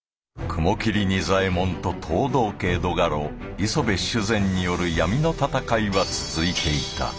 雲霧仁左衛門と藤堂家江戸家老磯部主膳による闇の戦いは続いていた。